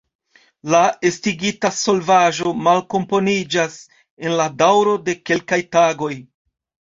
La estigita solvaĵo malkomponiĝas en la daŭro de kelkaj tagoj.